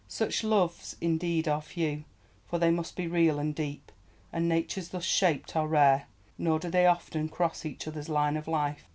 Such loves indeed are few. For they must be real and deep, and natures thus shaped are rare, nor do they often cross each other's line of life.